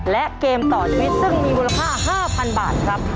และเกมต่อชีวิตซึ่งมีมูลค่า๕๐๐๐บาทครับ